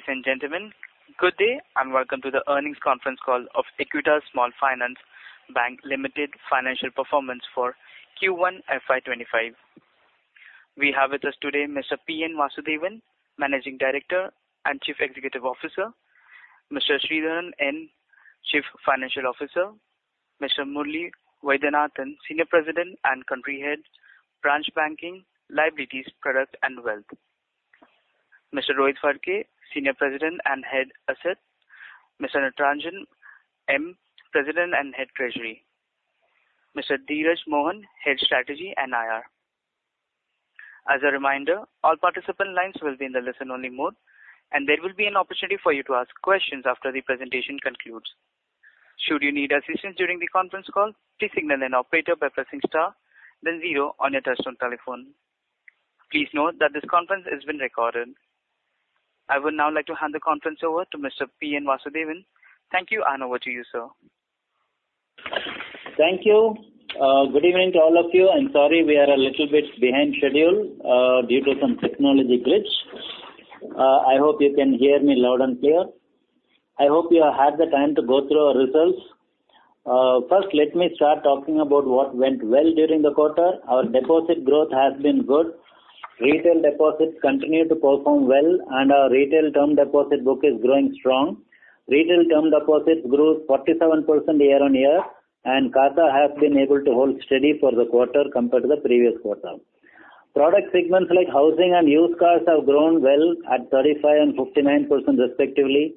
Ladies and gentlemen, good day and welcome to the Earnings Conference Call of Equitas Small Finance Bank Limited Financial Performance for Q1 FY 2025. We have with us today, Mr. P. N. Vasudevan, Managing Director and Chief Executive Officer, Mr. Sridharan N., Chief Financial Officer, Mr. Murali Vaidyanathan, Senior President and Country Head, Branch Banking, Liabilities, Product, and Wealth, Mr. Rohit Phadke, Senior President and Head of Assets, Mr. Natarajan M., President and Head of Treasury, Mr. Dheeraj Mohan, Head of Strategy and IR. As a reminder, all participant lines will be in the listen-only mode, and there will be an opportunity for you to ask questions after the presentation concludes. Should you need assistance during the conference call, please signal an operator by pressing star, then zero on your touchtone telephone. Please note that this conference is being recorded. I would now like to hand the conference over to Mr. P. N. Vasudevan. Thank you, and over to you, sir. Thank you. Good evening to all of you. I'm sorry we are a little bit behind schedule due to some technology glitch. I hope you can hear me loud and clear. I hope you have had the time to go through our results. First, let me start talking about what went well during the quarter. Our deposit growth has been good. Retail deposits continue to perform well, and our retail term deposit book is growing strong. Retail term deposits grew 47% year-on-year, and CASA has been able to hold steady for the quarter compared to the previous quarter. Product segments like housing and used cars have grown well, at 35% and 59%, respectively.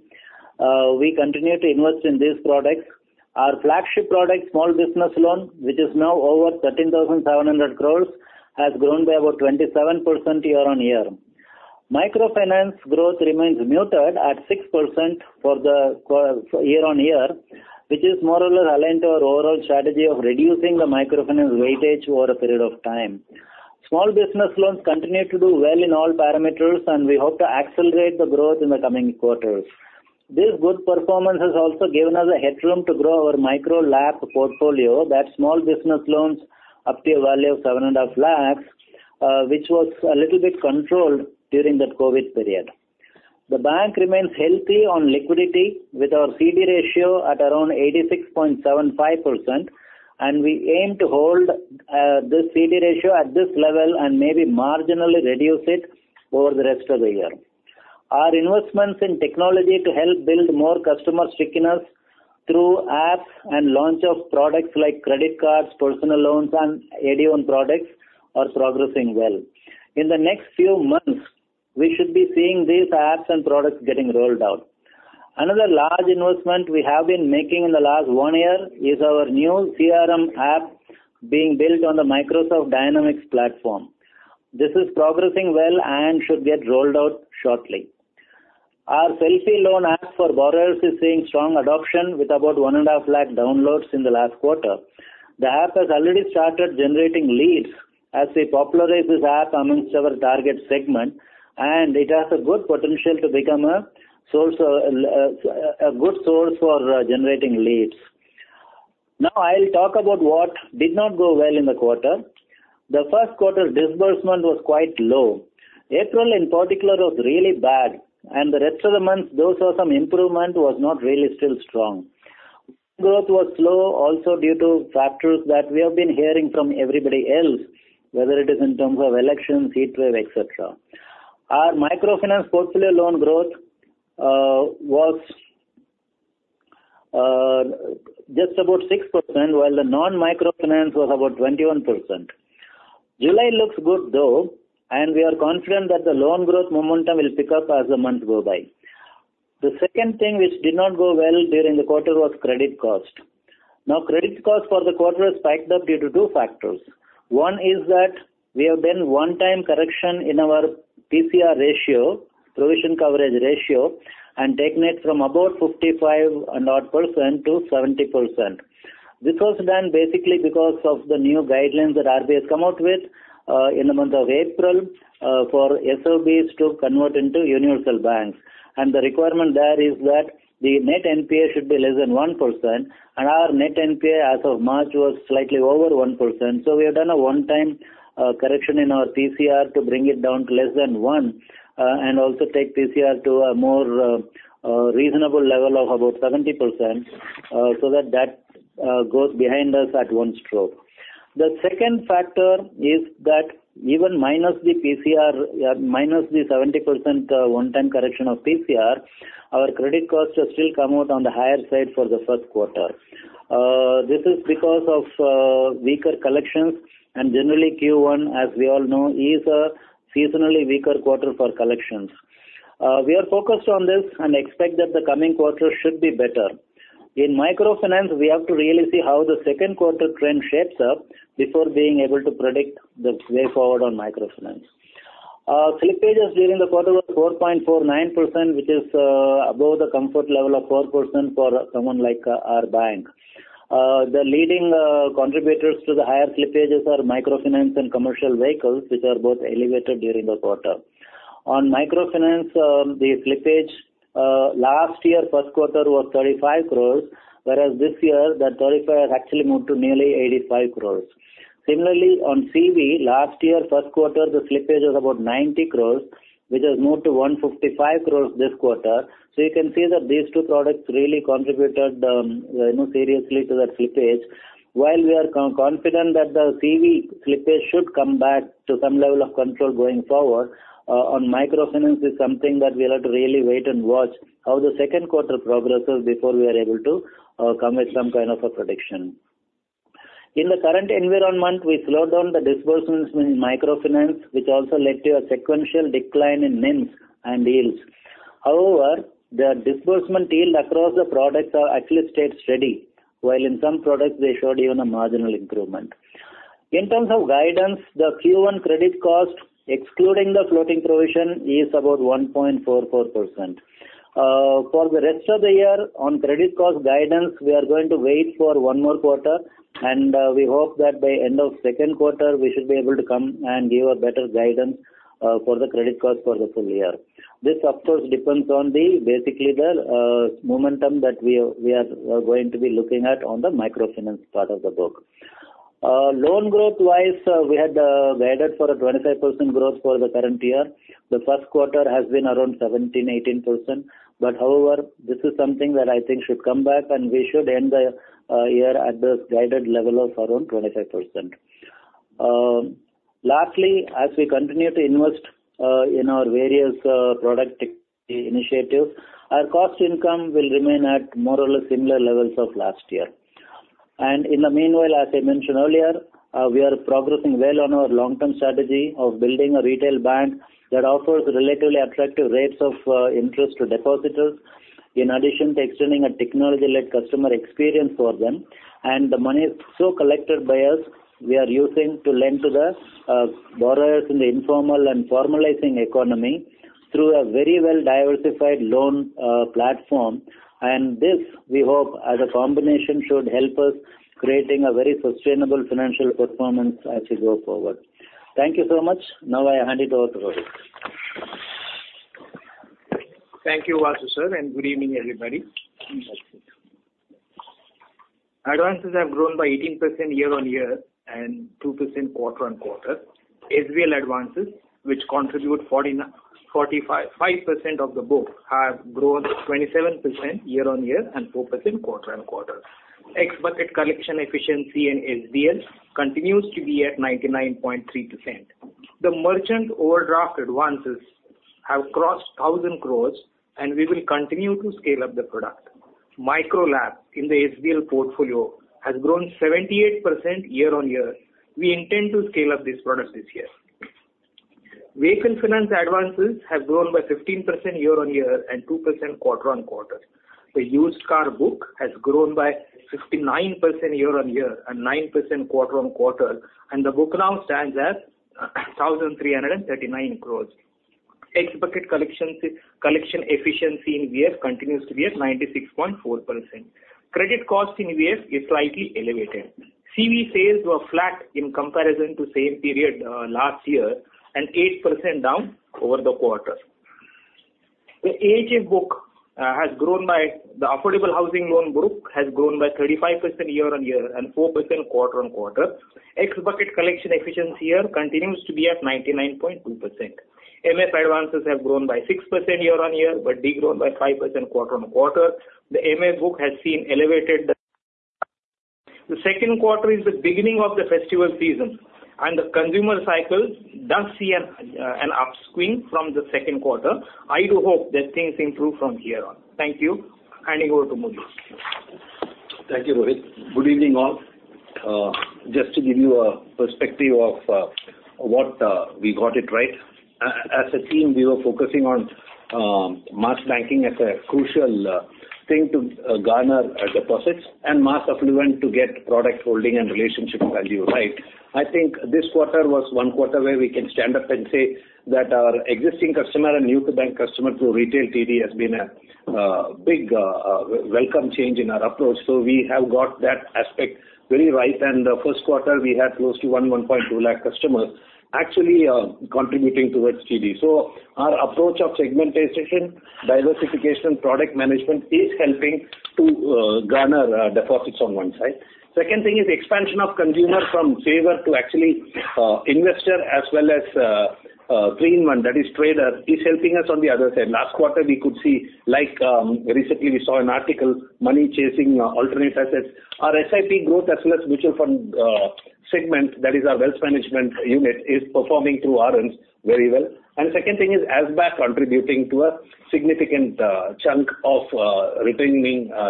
We continue to invest in these products. Our flagship product, small business loan, which is now over 13,700 crores, has grown by about 27% year-on-year. Microfinance growth remains muted at 6% year-on-year, which is more or less aligned to our overall strategy of reducing the microfinance weightage over a period of time. Small business loans continue to do well in all parameters, and we hope to accelerate the growth in the coming quarters. This good performance has also given us a headroom to grow our Micro LAP portfolio, small business loans up to a value of 7.5 lakhs, which was a little bit controlled during that COVID period. The bank remains healthy on liquidity, with our CD ratio at around 86.75%. We aim to hold this CD ratio at this level, and maybe marginally reduce it over the rest of the year. Our investments in technology to help build more customer stickiness through apps and launch of products like credit cards, personal loans, and AD1 products are progressing well. In the next few months, we should be seeing these apps and products getting rolled out. Another large investment we have been making in the last one year is our new CRM app, being built on the Microsoft Dynamics platform. This is progressing well and should get rolled out shortly. Our Selfie Loan App for borrowers is seeing strong adoption, with about 1.5 lakh downloads in the last quarter. The app has already started generating leads, as we popularize this app amongst our target segment. It has a good potential to become a good source for generating leads. Now, I'll talk about what did not go well in the quarter. The first quarter disbursement was quite low. April in particular was really bad, and the rest of the months, though some improvement, was not really still strong. Growth was slow also due to factors that we have been hearing from everybody else, whether it is in terms of elections, heat wave, etc. Our microfinance portfolio loan growth was just about 6%, while the non-microfinance was about 21%. July looks good though, and we are confident that the loan growth momentum will pick up as the months go by. The second thing which did not go well during the quarter was credit cost. Now, credit cost for the quarter has spiked up due to two factors. One is that we have done a one-time correction in our PCR ratio, provision coverage ratio and taken it from about 55.5% to 70%. This was done basically because of the new guidelines that RBI has come out with in the month of April, for SFBs to convert into universal banks. The requirement there is that the net NPA should be less than 1%, and our net NPA as of March was slightly over 1%. We have done a one-time correction in our PCR to bring it down to less than 1%, and also take PCR to a more reasonable level of about 70%, so that that goes behind us at one stroke. The second factor is that even minus the PCR, minus the 70% one-time correction of PCR, our credit costs have still come out on the higher side for the first quarter. This is because of weaker collections, and generally, Q1 as we all know is a seasonally weaker quarter for collections. We are focused on this, and expect that the coming quarter should be better. In microfinance, we have to really see how the second quarter trend shapes up, before being able to predict the way forward on microfinance. Slippages during the quarter were 4.49%, which is above the comfort level of 4% for someone like our bank. The leading contributors to the higher slippages are microfinance and commercial vehicles, which are both elevated during the quarter. On microfinance, the slippage last year first quarter, was 35 crores, whereas this year that 35 has actually moved to nearly 85 crores. Similarly, on CV, last year, first quarter, the slippage was about 90 crores, which has moved to 155 crores this quarter. You can see that these two products really contributed seriously to that slippage. While we are confident that the CV slippage should come back to some level of control going forward, on microfinance, it's something that we have to really wait and watch how the second quarter progresses before we are able to come with some kind of a prediction. In the current environment, we slowed down the disbursements in microfinance, which also led to a sequential decline in NIMs and yields. However, the disbursement yield across the products actually stayed steady, while in some products they showed even a marginal improvement. In terms of guidance, the Q1 credit cost, excluding the floating provision is about 1.44%. For the rest of the year, on credit cost guidance, we are going to wait for one more quarter. We hope that by the end of the second quarter, we should be able to come and give a better guidance for the credit cost for the full year. This of course depends on basically the momentum that we are going to be looking at on the microfinance part of the book. Loan growth-wise, we had guided for a 25% growth for the current year. The first quarter has been around 17%, 18%. However, this is something that I think should come back, and we should end the year at this guided level of around 25%. Lastly, as we continue to invest in our various product initiatives, our cost income will remain at more or less similar levels of last year. In the meanwhile, as I mentioned earlier, we are progressing well on our long-term strategy of building a retail bank, that offers relatively attractive rates of interest to depositors, in addition to extending a technology-led customer experience for them. The money, so collected by us, we are using to lend to the borrowers in the informal and formalizing economy, through a very well-diversified loan platform. This, we hope, as a combination, should help us create a very sustainable financial performance as we go forward. Thank you so much. Now, I hand it over to Rohit. Thank you, Vasu, sir. Good evening, everybody. Advances have grown by 18% year-on-year and 2% quarter-on-quarter. SBL advances, which contribute 45% of the book have grown 27% year-on-year and 4% quarter-on-quarter. X bucket collection efficiency in SBL continues to be at 99.3%. The merchant overdraft advances have crossed 1,000 crores, and we will continue to scale up the product. Micro LAP in the SBL portfolio has grown 78% year-on-year. We intend to scale up this product this year. Vehicle finance advances have grown by 15% year-on-year, and 2% quarter-on-quarter. The used car book has grown by 59% year-on-year and 9% quarter-on-quarter, and the book now stands at 1,339 crores. X bucket collection efficiency in VF continues to be at 96.4%. Credit cost in VF is slightly elevated. CV sales were flat in comparison to the same period last year, and 8% down over the quarter. The AHA book, the affordable housing loan book, has grown by 35% year-on-year and 4% quarter-on-quarter. X budget collection efficiency here continues to be at 99.2%. MF advances have grown by 6% year-on-year, but degrown by 5% quarter-on-quarter. The MF book has elevated. The second quarter is the beginning of the festival season, and the consumer cycle does see an upswing from the second quarter. I do hope that things improve from here on. Thank you. Handing over to Murali. Thank you, Rohit. Good evening, all. Just to give you a perspective of what we got it right. As a team, we were focusing on mass banking as a crucial thing to garner deposits, and mass affluent to get product holding and relationship value right. I think this quarter was one quarter where we can stand up, and say that our existing customer and new-to-bank customer through retail TD has been a big welcome change in our approach. We have got that aspect very right. The first quarter, we had close to 11.2 lakh customers actually contributing towards TD. Our approach of segmentation, diversification, product management is helping to garner deposits on one side. Second thing is expansion of consumer from saver to actually investor as well as three-in-one, that is trader, is helping us on the other side. Last quarter, we could see, like recently we saw an article, money chasing alternate assets. Our SIP growth as well as mutual fund segment, that is our wealth management unit is performing through ARNs very well. The second thing is ASBA contributing to a significant chunk of our retaining.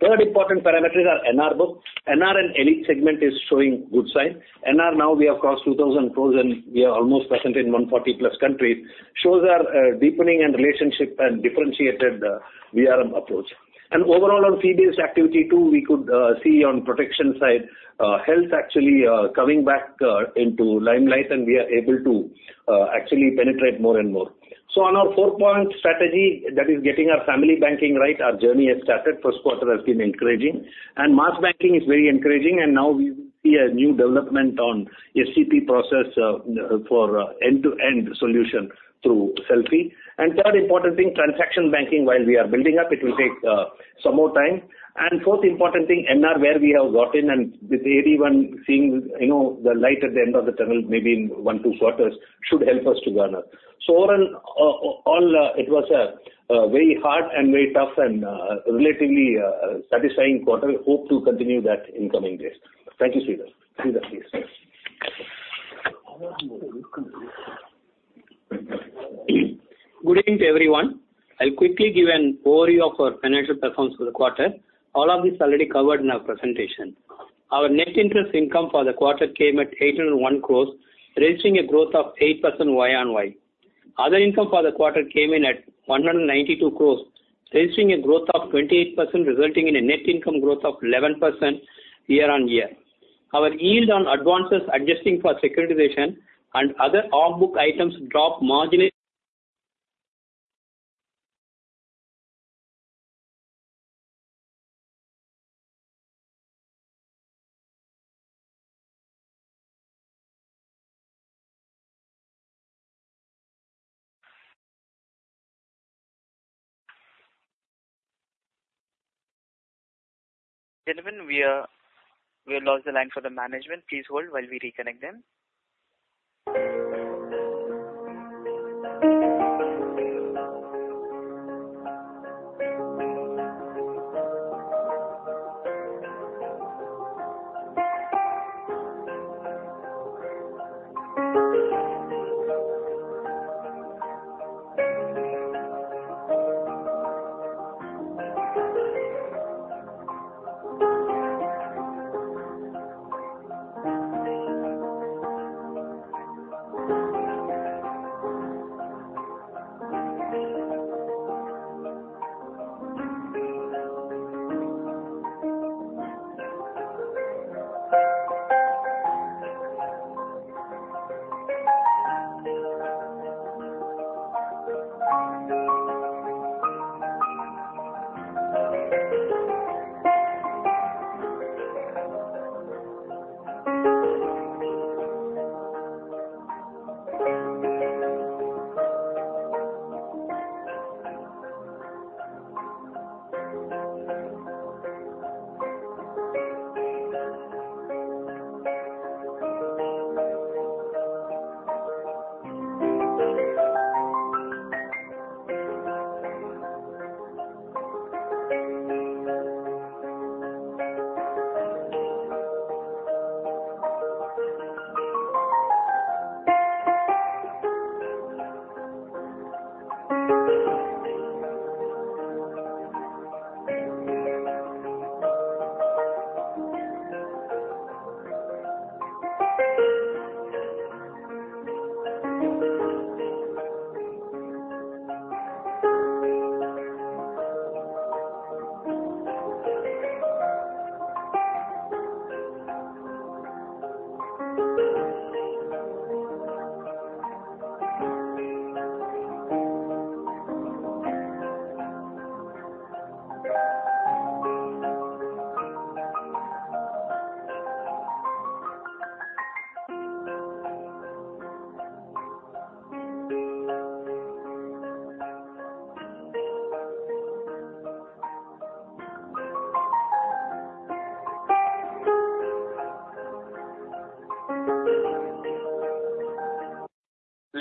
Third important parameters are NR book. NR and elite segment is showing good signs. NRI now we have crossed 2,000 crores, and we are almost present in 140+ countries, shows our deepening and relationship and differentiated VRM approach. Overall, on fee-based activity too, we could see on protection side, health actually coming back into limelight and we are able to actually penetrate more and more. On our four-point strategy, that is getting our family banking right, our journey has started. First quarter has been encouraging, and mass banking is very encouraging and now we see a new development on SCP process for end-to-end solution through selfie. Third important thing, transaction banking, while we are building up, it will take some more time. Fourth important thing, NR, where we have got in and with AD1 seeing the light at the end of the tunnel maybe in one or two quarters, should help us to garner. Overall, it was a very hard, and very tough and a relatively satisfying quarter. Hope to continue that in coming days. Thank you. Good evening to everyone. I'll quickly give an overview of our financial performance for the quarter. All of this is already covered in our presentation. Our net interest income for the quarter came at 801 crores, registering a growth of 8% Y on Y. Other income for the quarter came in at 192 crores, registering a growth of 28%, resulting in a net income growth of 11% year-on-year. Our yield on advances adjusting for securitization and other off-book items drop marginally. Gentlemen, we will hold the line for the management. Please hold while we reconnect them.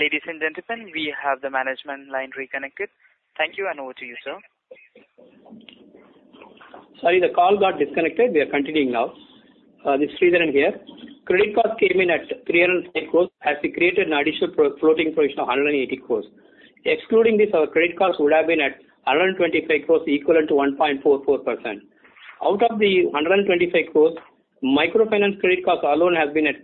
Ladies and gentlemen, we have the management line reconnected. Thank you, and over to you, sir. Sorry, the call got disconnected. We are continuing now. This is Sridharan here. Credit cost came in at 305 crores, as we created an additional floating provision of 180 crores. Excluding this, our credit cost would have been at 125 crores, equivalent to 1.44%. Out of the 125 crores, microfinance credit cost alone has been at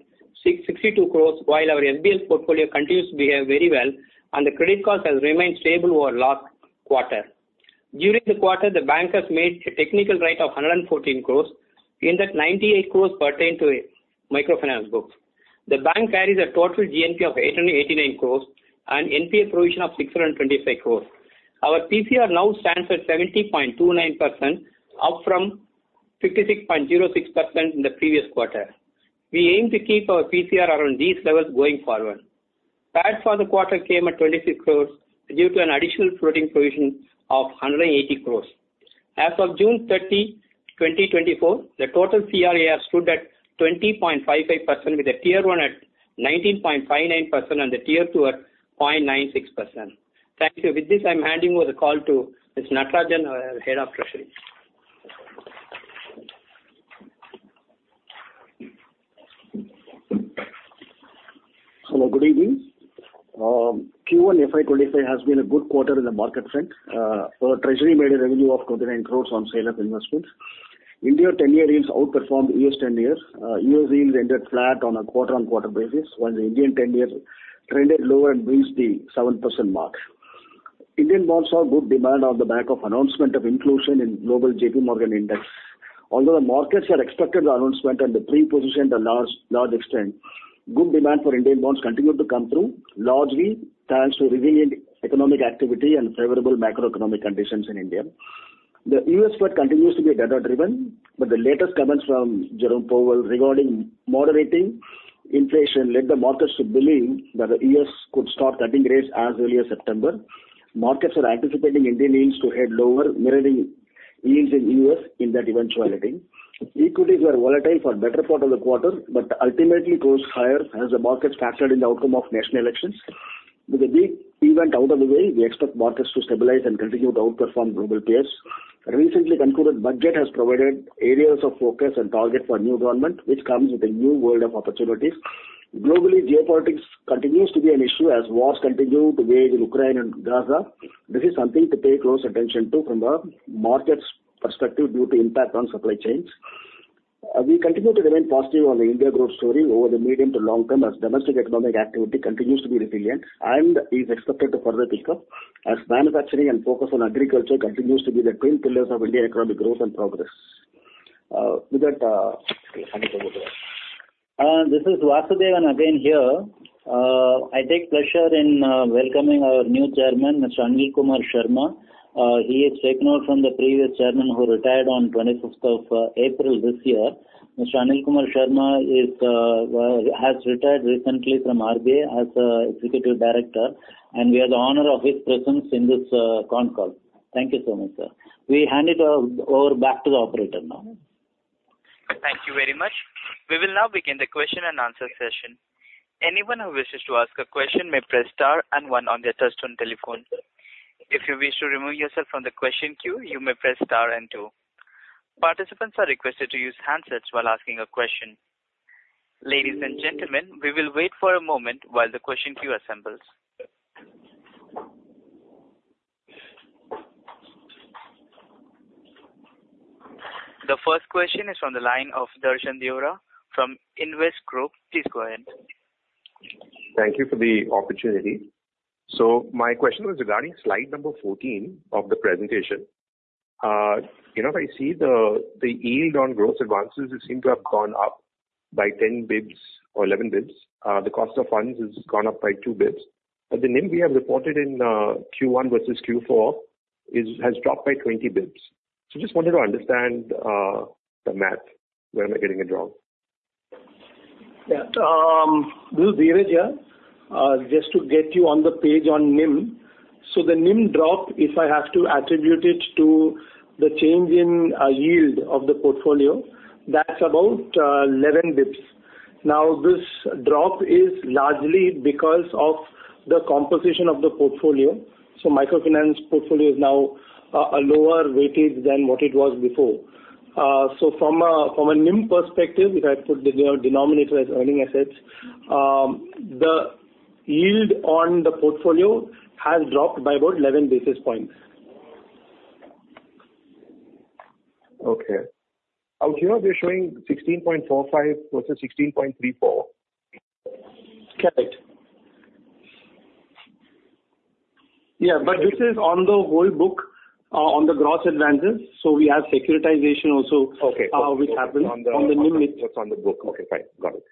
62 crores, while our SBL portfolio continues to behave very well and the credit cost has remained stable over last quarter. During the quarter, the bank has made a technical write-off of 114 crores, in that 98 crores pertain to microfinance books. The bank carries a total GNP of 889 crores, and NPA provision of 625 crores. Our PCR now stands at 70.29%, up from 56.06% in the previous quarter. We aim to keep our PCR around these levels going forward. PAT for the quarter came at 26 crores, due to an additional floating provision of 180 crores. As of June 30, 2024, the total [CIS]thas stood at 20.55%, with the tier 1 at 19.59% and the tier 2 at 0.96%. Thank you. With this, I'm handing over the call to Mr. Natarajan, our Head of Treasury. Hello, good evening. Q1 FY 2025 has been a good quarter in the market front. Our treasury made a revenue of 29 crores on sale of investments. India, 10-year yields outperformed U.S. 10-year. U.S. yields ended flat on a quarter-on-quarter basis, while the Indian 10-year trended lower and breached the 7% mark. Indian bonds saw good demand on the back of the announcement of inclusion in the global JPMorgan Index. Although the markets had expected the announcement and had pre-positioned to a large extent, good demand for Indian bonds continued to come through largely, thanks to resilient economic activity and favorable macroeconomic conditions in India. The U.S. Fed continues to be data-driven, but the latest comments from Jerome Powell regarding moderating inflation, led the markets to believe that the U.S. could start cutting rates as early as September. Markets are anticipating Indian yields to head lower, mirroring yields in the U.S. in that eventuality. Equities were volatile for the better part of the quarter, but ultimately closed higher as the markets factored in the outcome of national elections. With the big event out of the way, we expect markets to stabilize and continue to outperform global players. Recently, concluded budget has provided areas of focus and target for a new government, which comes with a new world of opportunities. Globally, geopolitics continues to be an issue, as wars continue to wage in Ukraine and Gaza. This is something to pay close attention to from the markets' perspective due to impact on supply chains. We continue to remain positive on the India growth story over the medium to long term, as domestic economic activity continues to be resilient and is expected to further pick up, as manufacturing and focus on agriculture continues to be the twin pillars of Indian economic growth and progress. With that, I'll hand over to Vasu. This is Vasudevan again here. I take pleasure in welcoming our new chairman, Mr. Anil Kumar Sharma. He has taken over from the previous chairman who retired on 25th of April this year. Mr. Anil Kumar Sharma has retired recently from RBI as an executive director, and we have the honor of his presence in this conference call. Thank you so much, sir. We hand it over back to the operator now. Thank you very much. We will now begin the question-and-answer session. Anyone who wishes to ask a question may press star and one on their touch-tone telephone. If you wish to remove yourself from the question queue, you may press star and two. Participants are requested to use handsets while asking a question. Ladies and gentlemen, we will wait for a moment while the question queue assembles. The first question is from the line of Darshan Deora from Indvest Group. Please go ahead. Thank you for the opportunity. My question was regarding slide number 14 of the presentation. I see the yield on gross advances seems to have gone up by 10 bps or 11 bps. The cost of funds has gone up by 2 bps, but the NIM we have reported in Q1 versus Q4 has dropped by 20 bps. I just wanted to understand the math. Where am I getting it wrong? Yeah. just to get you on the same page on NIM. The NIM drop, if I have to attribute it to the change in yield of the portfolio, that's about 11 bps. Now, this drop is largely because of the composition of the portfolio. Microfinance portfolio is now lower weighted than what it was before. From a NIM perspective, if I put the denominator as earning assets, the yield on the portfolio has dropped by about 11 basis points. Okay. Out here, they're showing 16.45 versus 16.34 bps. Yeah, but this is on the whole book on the gross advances, so we have securitization also, which happens on the NIM. Okay, that's on the book. Okay, fine. Got it,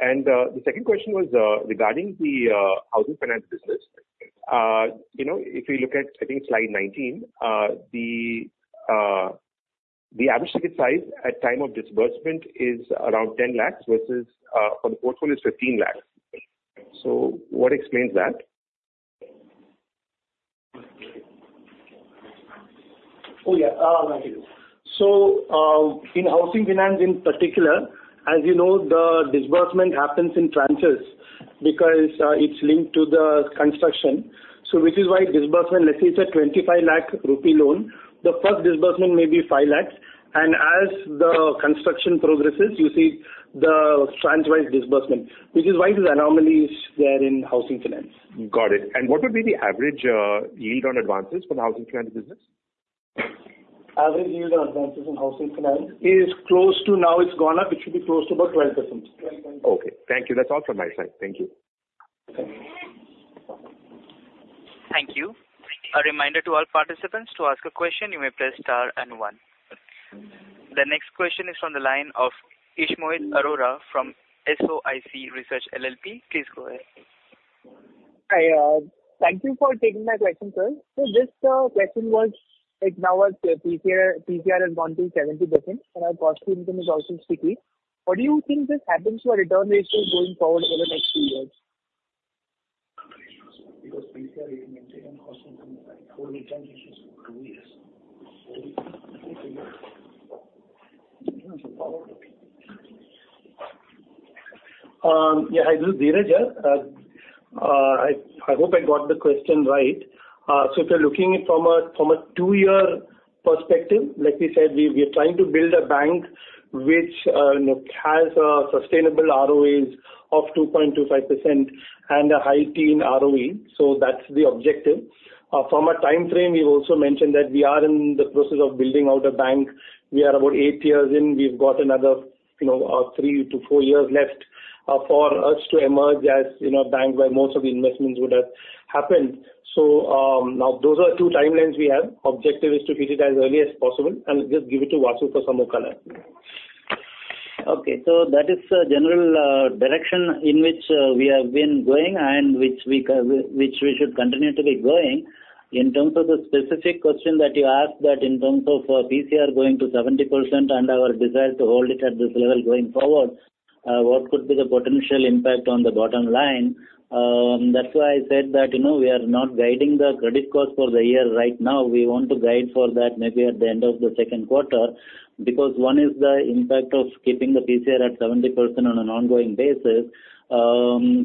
and the second question was regarding the housing finance business. If we look at, I think slide 19, the average ticket size at time of disbursement is around 10 lakhs versus for the portfolio is 15 lakhs. What explains that? Oh, yeah. Thank you. In housing finance in particular, as you know, the disbursement happens in tranches, because it's linked to the construction. Which is why disbursement, let's say it's a 25 lakh rupee loan, the first disbursement may be 5 lakhs. As the construction progresses, you see the tranche-wise disbursement, which is why these anomalies there are in housing finance. Got it. What would be the average yield on advances for the housing finance business? Average yield on advances in housing finance, now it's gone up, it should be close to about 12%. Okay, thank you. That's all from my side. Thank you. Thank you. A reminder to all participants, to ask a question, you may press star and one. The next question is from the line of Ishmohit Arora from SOIC Research LLP. Please go ahead. Hi. Thank you for taking my question, sir. This question was, right now PCR has gone to 70%, and our cost of income is also sticky. Why do you think this happens to our return ratios going forward over the next few years? Yeah. This is Dheeraj. I hope I got the question right. If you're looking at it from a two-year perspective, like we said, we are trying to build a bank which has sustainable ROAs of 2.25% and a high-teen ROE. That's the objective. From a time frame, we've also mentioned that we are in the process of building out a bank. We are about eight years in. We've got another three to four years left for us to emerge as a bank where most of the investments would have happened, so now those are the two timelines we have. Objective is to hit it as early as possible. I'll just give it to Vasu for some more color. Okay, so that is the general direction in which we have been going and which we should continue to be going. In terms of the specific question that you asked that, in terms of PCR going to 70% and our desire to hold it at this level going forward, what could be the potential impact on the bottom line? That's why I said that we are not guiding the credit cost for the year right now. We want to guide for that maybe at the end of the second quarter, because one is the impact of keeping the PCR at 70% on an ongoing basis.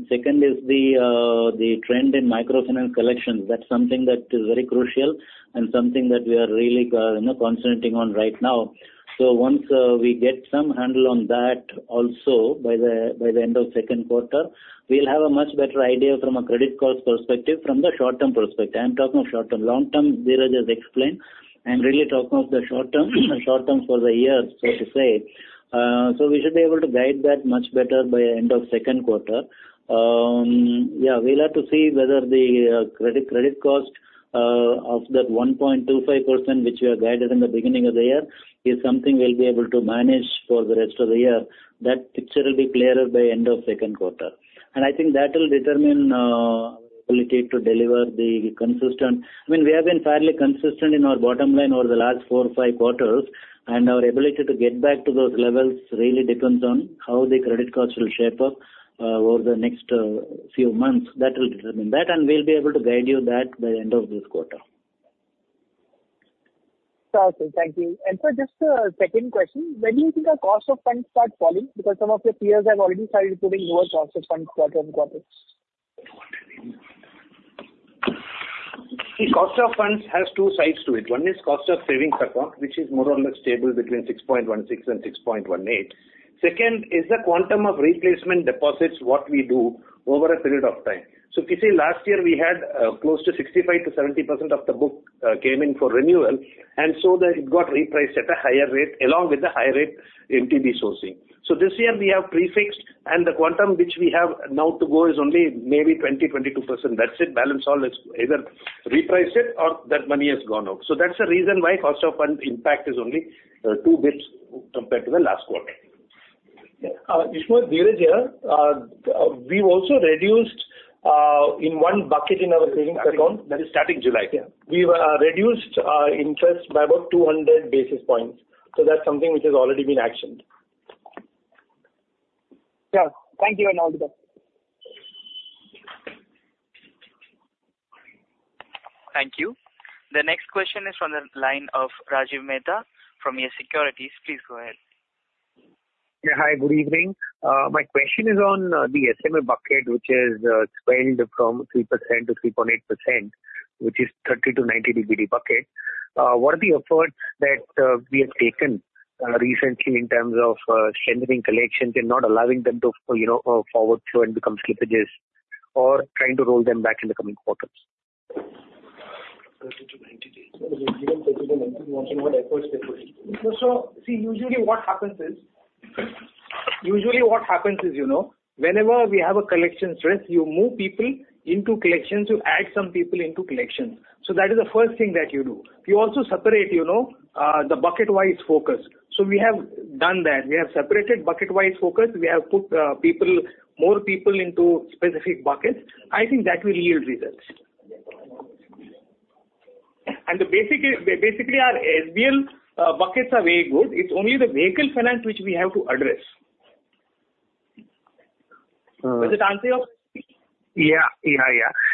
Second is the trend in microfinance collections. That's something that is very crucial, and something that we are really concentrating on right now. Once we get some handle on that also by the end of second quarter, we'll have a much better idea from a credit cost perspective, from the short-term perspective. I'm talking of short-term. Long-term, Dheeraj just explain. I'm really talking of the short-term for the year, so to say. We should be able to guide that much better by the end of second quarter. Yeah, we'll have to see whether the credit cost of that 1.25%, which we've guided in the beginning of the year, is something we'll be able to manage for the rest of the year. That picture will be clearer by the end of second quarter. I think that we have been fairly consistent in our bottom line over the last four or five quarters. Our ability to get back to those levels really depends on how the credit cost will shape up over the next few months. That will determine that, and we'll be able to guide you that by the end of this quarter. Vasu, thank you. Sir, just a second question. When do you think our cost of funds starts falling? Some of your peers have already started putting lower cost of funds quarter-on-quarter. See, cost of funds has two sides to it. One is cost of savings account, which is more or less stable between 6.16% and 6.18%. Second is the quantum of replacement deposits, what we do over a period of time. You see, last year we had close to 65%-70% of the book came in for renewal, and so it got repriced at a higher rate, along with the higher rate MTB sourcing. This year we have prefixed, and the quantum which we have now to go is only maybe 20%-22%. That's it. Balance all is either reprice it or that money has gone out, so that's the reason why cost of fund impact is only two basis points compared to the last quarter. Ishmohit, Dheeraj, we've also reduced in one bucket in our savings account. That is starting July. Yeah, we've reduced interest by about 200 basis points, so that's something which has already been actioned. Yeah. Thank you, and all the best. Thank you. The next question is from the line of Rajiv Mehta from YES Securities. Please go ahead. Yeah. Hi, good evening. My question is on the SMA bucket, which swelled from 3%-3.8%, which is 30-90 DPD bucket. What are the efforts that we have taken recently in terms of strengthening collections, and not allowing them to forward flow and become slippages, or trying to roll them back in the coming quarters? 30-90 days. See, usually what happens is, whenever we have a collection stress, you move people into collections, you add some people into collections. That is the first thing that you do. You also separate the bucket-wise focus, so we have done that. We have separated bucket-wise focus. We have put more people into specific buckets. I think that will yield results. Basically, our SBL buckets are very good. It's only the vehicle finance which we have to addr`ess. Was it answered? Yeah.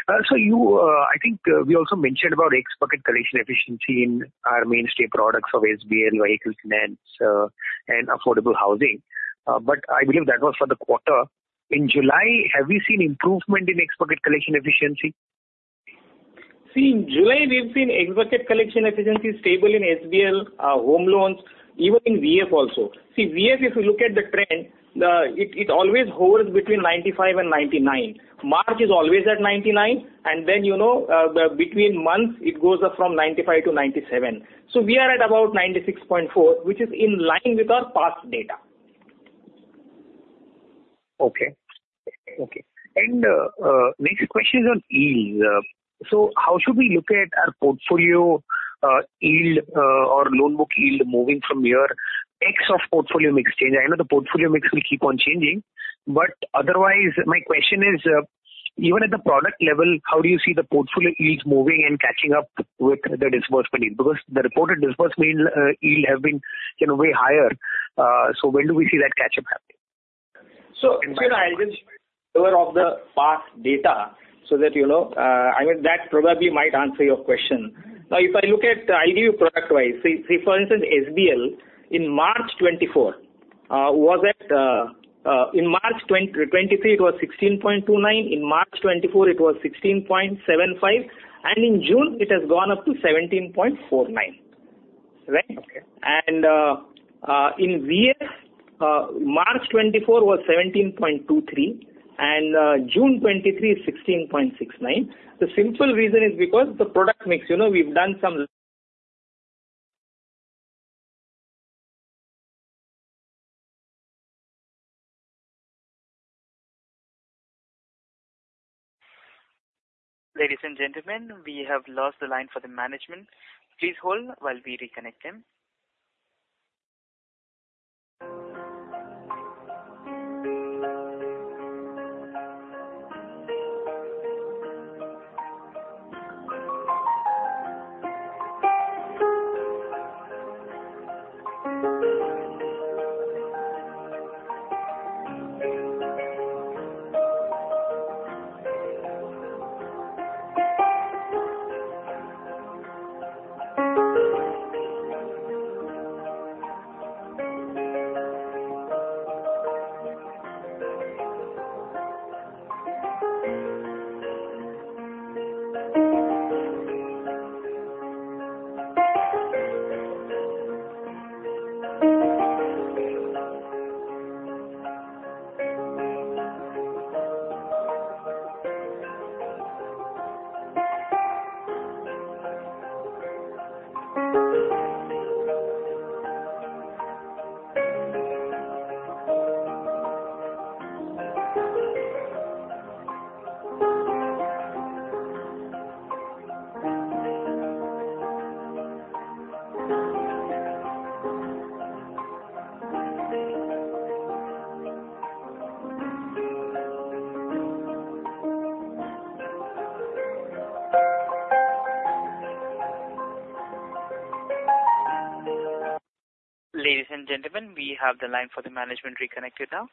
I think we also mentioned about X bucket collection efficiency in our mainstay products of SBL, vehicle finance, and affordable housing. I believe that was for the quarter. In July, have we seen improvement in X bucket collection efficiency? See, in July, we've seen Xbbucket collection efficiency stable in SBL, home loans, even in VF also. See, VF, if you look at the trend, it always holds between 95% and 99%. March is always at 99%, and then between months, it goes up from 95% to 97%. We are at about 96.4%, which is in line with our past data. Okay, next question is on yield. How should we look at our portfolio yield or loan book yield moving from year X of portfolio mix change? I know the portfolio mix will keep on changing, but otherwise, my question is, even at the product level, how do you see the portfolio yields moving and catching up with the disbursement yield? The reported disbursement yield has been way higher. When do we see that catch-up happening? I'll just cover off the past data. so that probably might answer your question. Now, if I look at, I'll give you product-wise, see, for instance, SBL in March 2023, it was 16.29. In March 2024, it was 16.75. In June, it has gone up to 17.49, right? In VF, March 2024 was 17.23, and June 2023 is 16.69. The simple reason is because the product mix. Ladies and gentlemen, we have lost the line for the management. Please hold while we reconnect him. Ladies and gentlemen, we have the line for the management reconnected now.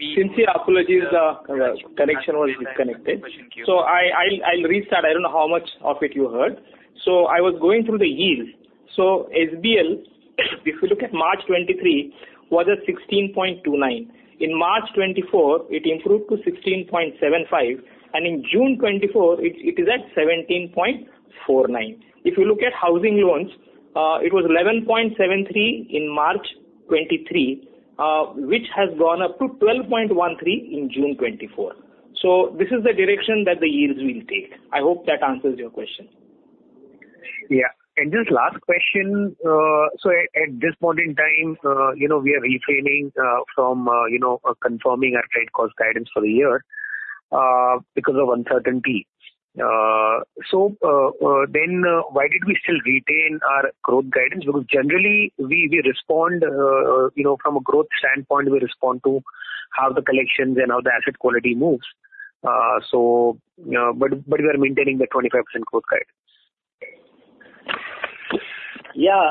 We. Sincere apologies, the connection was disconnected. I'll restart. I don't know how much of it you heard. I was going through the yield. SBL, if you look at March 2023, was at 16.29. In March 2024, it improved to 16.75. In June 2024, it is at 17.49. If you look at housing loans, it was 11.73 in March 2023, which has gone up to 12.13 in June 2024. This is the direction that the yields will take. I hope that answers your question. Yeah. Just last question, so at this point in time, we are refraining from confirming our credit cost guidance for the year because of uncertainty, so then why did we still retain our growth guidance? Generally, we respond from a growth standpoint, we respond to how the collections and how the asset quality moves, but we are maintaining the 25% growth guidance. Yeah.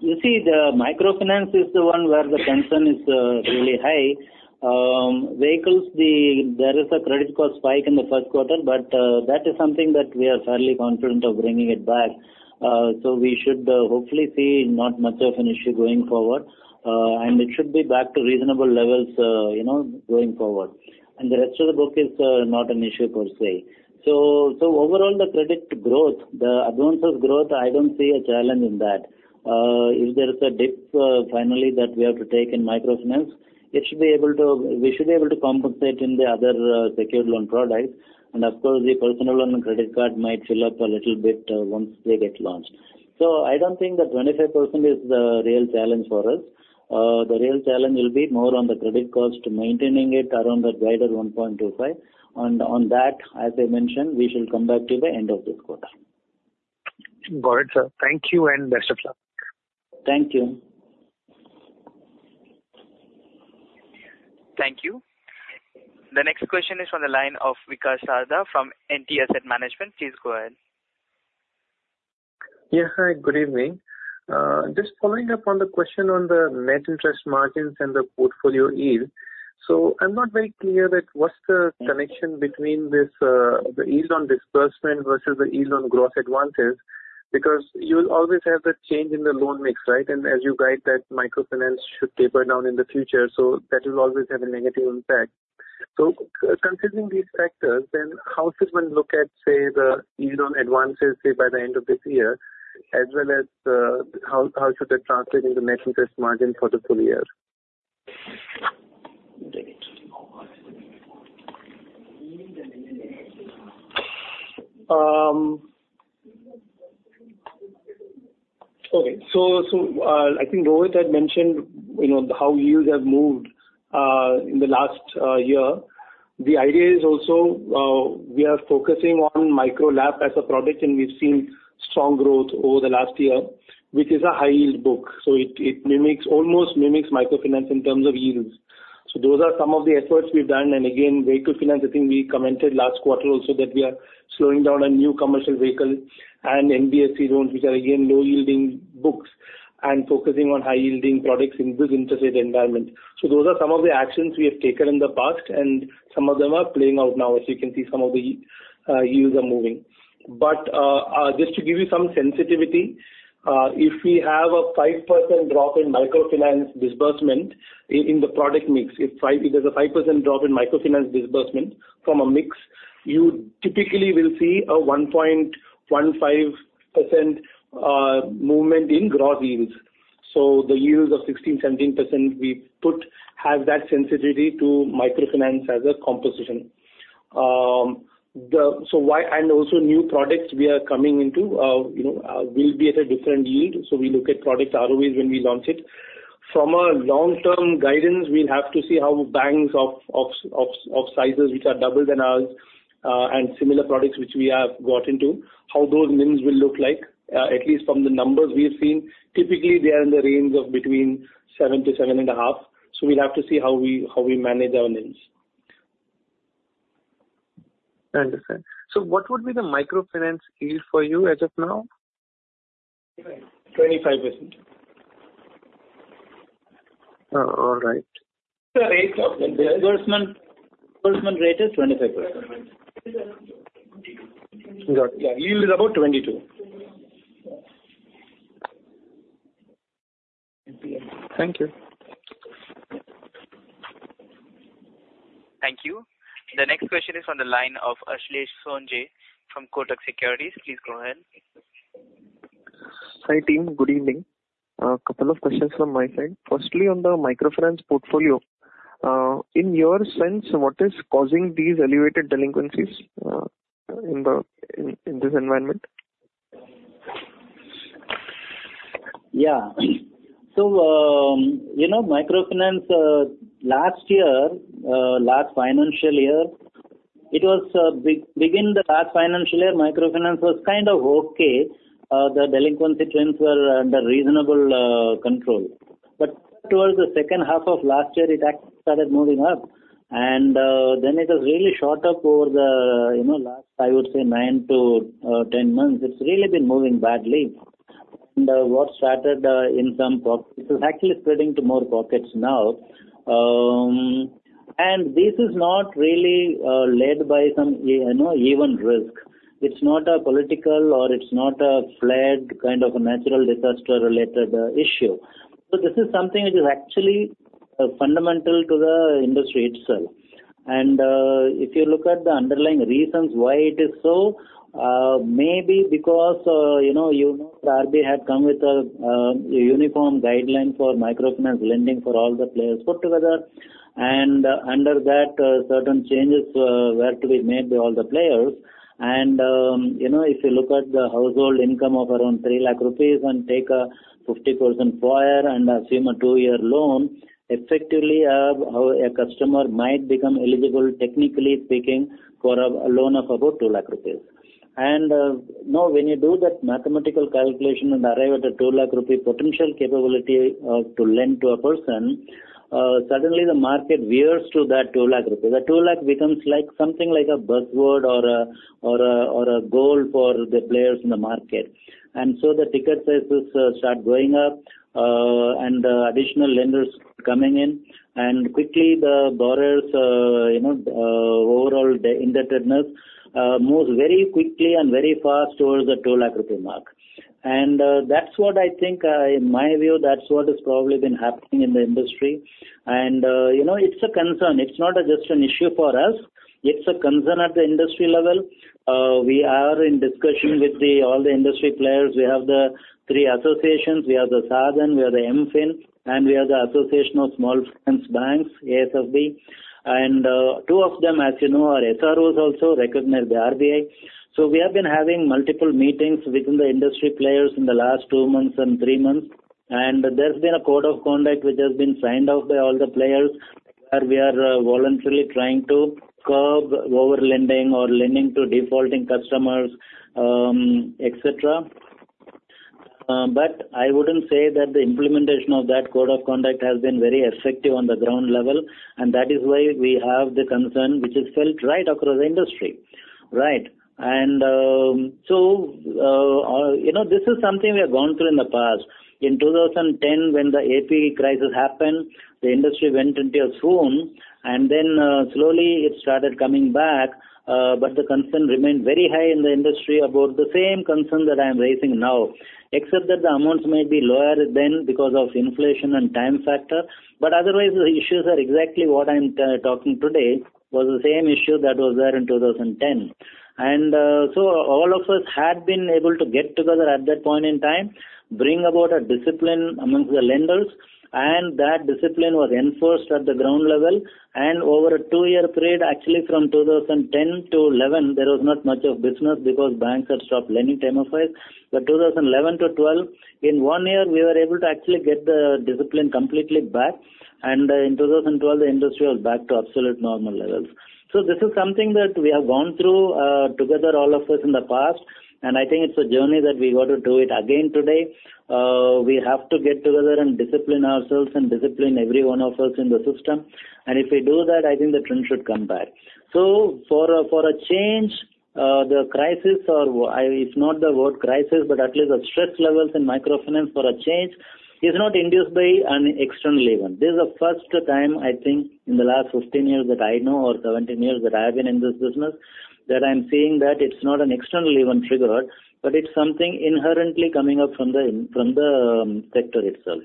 You see, the microfinance is the one where the concern is really high. Vehicles, there is a credit cost spike in the first quarter, but that is something that we are fairly confident of bringing it back. We should hopefully see not much of an issue going forward, and it should be back to reasonable levels going forward. The rest of the book is not an issue per se. Overall, the credit growth, the advance of growth, I don't see a challenge in that. If there is a dip finally that we have to take in microfinance, we should be able to compensate in the other secured loan products. Of course, the personal loan and credit card might fill up a little bit once they get launched. I don't think 25% is the real challenge for us. The real challenge will be more on the credit cost, maintaining it around that wider 1.25. On that, as I mentioned, we shall come back to the end of this quarter. Got it, sir. Thank you and best of luck. Thank you. Thank you. The next question is from the line of [Vikas Arza from NDSL management]. Please go ahead. Yeah. Hi, good evening. Just following up on the question on the net interest margins and the portfolio yield, so I'm not very clear, what's the connection between the yield on disbursement versus the yield on gross advances? You'll always have the change in the loan mix, right? As you guide that, microfinance should taper down in the future. That will always have a negative impact. Considering these factors, then how should one look at say the yield on advances say by the end of this year, as well as, how should that translate into net interest margin for the full year? Okay. I think Robert had mentioned how yields have moved in the last year. The idea is also, we are focusing on Micro LAP as a product. We've seen strong growth over the last year, which is a high-yield book. It almost mimics microfinance in terms of yields. Those are some of the efforts we've done. Again, vehicle finance, I think we commented last quarter also that we are slowing down on new commercial vehicles and [NBSC] loans, which are again low-yielding books and focusing on high-yielding products in this interest rate environment. Those are some of the actions we have taken in the past, and some of them are playing out now. As you can see, some of the yields are moving. Just to give you some sensitivity, if we have a 5% drop in microfinance disbursement in the product mix, if there's a 5% drop in microfinance disbursement from a mix, you typically will see a 1.15% movement in gross yields. The yields of 16%-17% we put have that sensitivity to microfinance as a composition, and also new products we are coming into will be at a different yield. We look at product ROEs when we launch it. From a long-term guidance, we'll have to see how banks of sizes which are doubled than ours and similar products which we have got into, how those NIMs will look like, at least from the numbers we've seen. Typically, they are in the range of between 7%-7.5%, so we'll have to see how we manage our NIMs. Understood, so what would be the microfinance yield for you as of now? 25%. All right. The disbursement rate is 25%. Got it. Yeah. Yield is about 22%. Thank you. Thank you. The next question is from the line of Ashlesh Sonje from Kotak Securities. Please go ahead. Hi team. Good evening. A couple of questions from my side. Firstly, on the microfinance portfolio. In your sense, what is causing these elevated delinquencies in this environment? Yeah, so microfinance last year, Last financial year, at the beginning of the last financial year, microfinance was kind of okay. The delinquency trends were under reasonable control, but towards the second half of last year, it started moving up. It has really shot up over the last, I would say, nine to 10 months. It's really been moving badly. What started in some pockets is actually spreading to more pockets now, and this is not really led by some event risk. It's not a political or it's not a flood kind of a natural disaster-related issue. This is something which is actually fundamental to the industry itself. If you look at the underlying reasons why it is so, maybe because RBI had come with a uniform guideline for microfinance lending for all the players put together. Under that, certain changes were to be made by all the players. If you look at the household income of around 3 lakh rupees and take a 50% FOIR and assume a two-year loan, effectively, a customer might become eligible, technically speaking, for a loan of about 2 lakh rupees. When you do that mathematical calculation and arrive at a 2 lakh rupee potential capability to lend to a person, suddenly the market veers to that 2 lakh rupees. The 2 lakh becomes something like a buzzword or a goal for the players in the market. The ticket sizes start going up and additional lenders coming in. Quickly, the borrowers' overall indebtedness moves very quickly, and very fast towards the 2 lakh rupee mark. I think in my view, that's what has probably been happening in the industry and it's a concern. It's not just an issue for us. It's a concern at the industry level. We are in discussion with all the industry players. We have the three associations. We have the Sa-Dhan, we have the MFIN, and we have the Association of Small Finance Banks, ASFB. Two of them, as you know, are SROs also, recognized by RBI. We have been having multiple meetings within the industry players in the last two months and three months. There's been a code of conduct which has been signed off by all the players, where we are voluntarily trying to curb overlending or lending to defaulting customers, etc. I wouldn't say that the implementation of that code of conduct has been very effective on the ground level, and that is why we have the concern, which has felt right across the industry. Right, this is something we have gone through in the past. In 2010, when the AP crisis happened, the industry went into a storm and then slowly, it started coming back. The concern remained very high in the industry, about the same concern that I'm raising now, except that the amounts may be lower then because of inflation and time factor. Otherwise, the issues are exactly what I'm talking today, was the same issue that was there in 2010. All of us had been able to get together at that point in time, bring about a discipline amongst the lenders. That discipline was enforced at the ground level. Over a two-year period, actually from 2010-2011, there was not much of business because banks had stopped lending to MFIs. 2011-2012, in one year, we were able to actually get the discipline completely back. In 2012, the industry was back to absolute normal levels. This is something that we have gone through together, all of us in the past. I think it's a journey, that we got to do it again today. We have to get together and discipline ourselves and discipline every one of us in the system. If we do that, I think the trend should come back. For a change, the crisis, or if not the word crisis, but at least the stress levels in microfinance for a change is not induced by an external event. This is the first time I think in the last 15 years that I know or 17 years that I have been in this business, that I'm seeing that it's not an external event triggered, but it's something inherently coming up from the sector itself.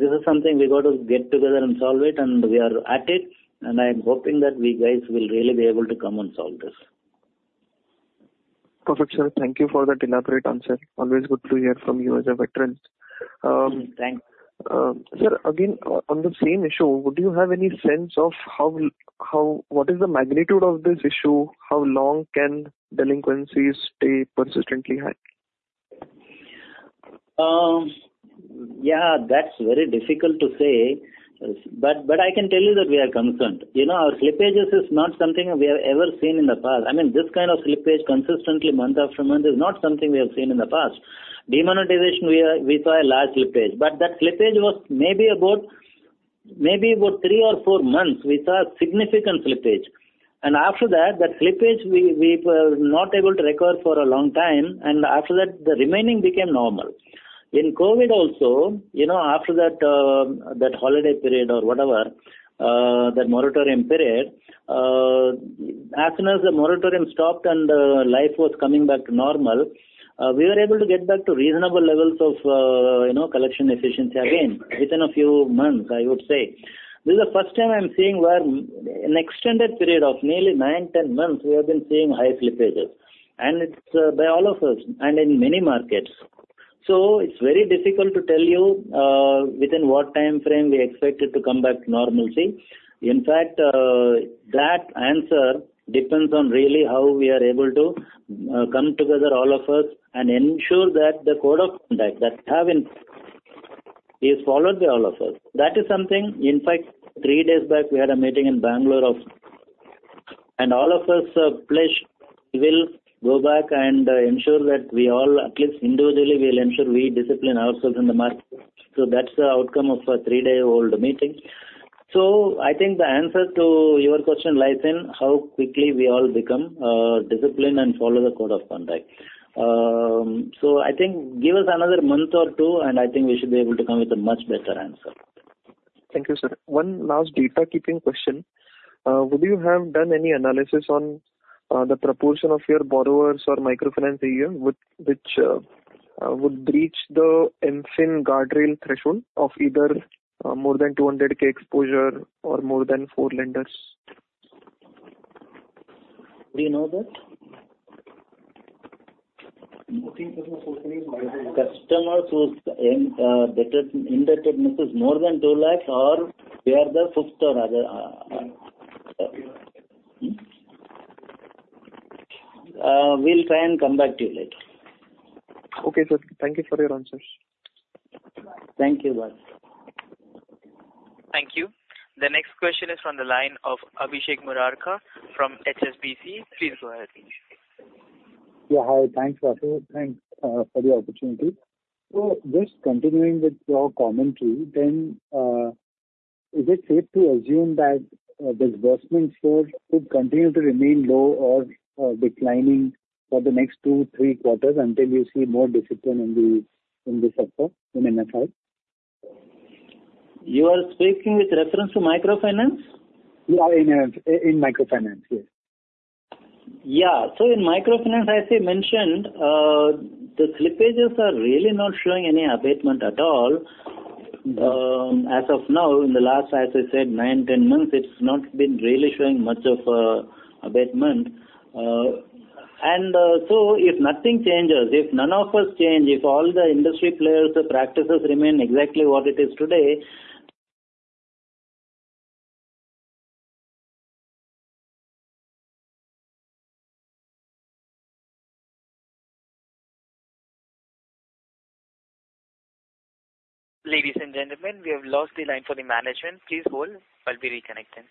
This is something, we got to get together and solve it, and we are at it. I'm hoping that we guys will really be able to come and solve this. Perfect, sir. Thank you for that elaborate answer. Always good to hear from you as a veteran. Thanks. Sir, again, on the same issue, would you have any sense of, what is the magnitude of this issue? How long can delinquencies stay persistently high? Yeah. That's very difficult to say, but I can tell you that we are concerned. Our slippage is not something we have ever seen in the past. I mean, this kind of slippage consistently, month after month is not something we have seen in the past. Demonetization, we saw a large slippage. That slippage was maybe about three or four months. We saw a significant slippage. After that, that slippage, we were not able to recover for a long time. After that, the remaining became normal. In COVID also, after that holiday period or whatever, that moratorium period, as soon as the moratorium stopped and life was coming back to normal, we were able to get back to reasonable levels of collection efficiency again within a few months, I would say. This is the first time I'm seeing where, an extended period of nearly 9-10 months, we have been seeing high slippages, and it's by all of us and in many markets. It's very difficult to tell you within what time frame we expect it to come back to normalcy. In fact, that answer depends on really how we are able to come together all of us, and ensure that the code of conduct is followed by all of us. In fact, three days back, we had a meeting in Bengaluru, and all of us pledged we will go back and ensure that we all, at least individually, will ensure we discipline ourselves in the market. That's the outcome of a three-day-old meeting. I think the answer to your question lies in how quickly we all become disciplined, and follow the code of conduct. I think give us another month or two, and I think we should be able to come with a much better answer. Thank you, sir. One last housekeeping question. Would you have done any analysis on the proportion of your borrowers in microfinance over a year, which would breach the MFIN guardrail threshold of either more than 200K exposure or more than four lenders? Do you know that? Customers whose indebtedness is more than 2 lakh are 1/5 or other. We'll try and come back to you later. Okay, sir. Thank you for your answers. Thank you, boss. Thank you. The next question is from the line of Abhishek Murarka from HSBC. Please go ahead. Yeah. Hi. Thanks, Vasu. Thanks for the opportunity. Just continuing with your commentary, then is it safe to assume that disbursements would continue to remain low or declining for the next two, three quarters until you see more discipline in this sector, in MFI? You are speaking with reference to microfinance? Yeah, in microfinance, yes. Yeah. In microfinance, as I mentioned, the slippages are really not showing any abatement at all. As of now, in the last, as I said, nine, 10 months, it's not been really showing much of abatement. If nothing changes, if none of us change, if all the industry players' practices remain exactly what it is today. Ladies and gentlemen, we have lost the line for the management. Please hold. I'll be reconnecting.